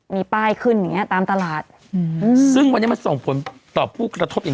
มีป้ายขึ้นอย่างเงี้ตามตลาดอืมซึ่งวันนี้มันส่งผลต่อผู้กระทบอย่าง